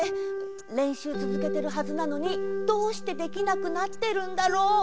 れんしゅうつづけてるはずなのにどうしてできなくなってるんだろう？